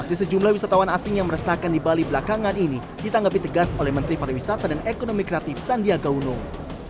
aksi sejumlah wisatawan asing yang meresahkan di bali belakangan ini ditanggapi tegas oleh menteri pariwisata dan ekonomi kreatif sandiaga uno